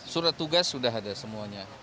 surat tugas sudah ada semuanya